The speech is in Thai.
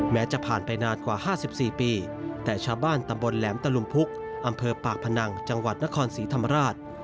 จะผ่านไปนานกว่า๕๔ปีแต่ชาวบ้านตำบลแหลมตะลุมพุกอำเภอปากพนังจังหวัดนครศรีธรรมราช